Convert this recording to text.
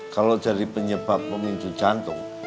kalau jadi penyebab pemicu jantung